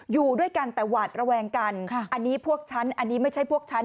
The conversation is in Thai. อยู่ด้วยกันแต่หวาดระแวงกันอันนี้พวกฉันอันนี้ไม่ใช่พวกฉัน